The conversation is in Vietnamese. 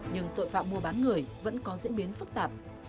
nhưng tội phạm mua bán người vẫn có diễn biến phức tạp